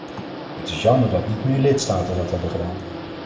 Het is jammer dat niet meer lidstaten dat hebben gedaan.